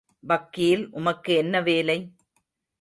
வக்கீல் உமக்கு என்ன வேலை?